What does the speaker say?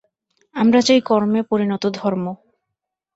আমরা চাই কর্মে পরিণত ধর্ম।